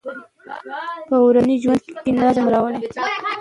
په ورځني ژوند کې نظم راولئ.